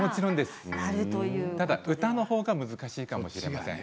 ただ歌のほうが難しいかもしれません。